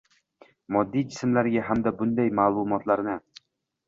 moddiy jismlarga hamda bunday ma’lumotlarni